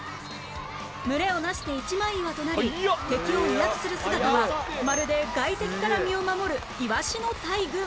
群れを成して一枚岩となり敵を威圧する姿はまるで外敵から身を守るイワシの大群